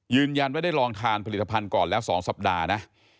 ยืนยันว่าได้ลองทานผลิตภัณฑ์ก่อนแล้ว๒สัปดาห์นะ